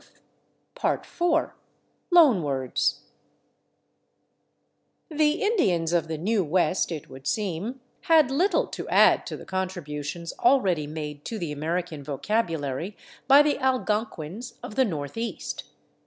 [Pg086] § 4 /Loan Words/ The Indians of the new West, it would seem, had little to add to the contributions already made to the American vocabulary by the Algonquins of the Northeast.